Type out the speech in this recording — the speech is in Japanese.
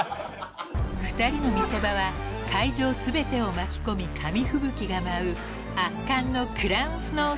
［二人の見せ場は会場全てを巻き込み紙吹雪が舞う圧巻の］